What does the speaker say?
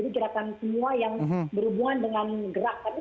jadi gerakan semua yang berhubungan dengan gerak